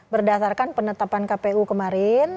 berdasarkan penetapan kpu kemarin